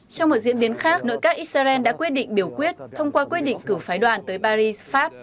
trong một diễn biến khác nội các israel đã quyết định biểu quyết thông qua quyết định cử phái đoàn tới paris pháp